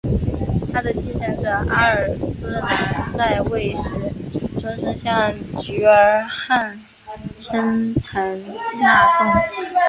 他的继承者阿尔斯兰在位时终生向菊儿汗称臣纳贡。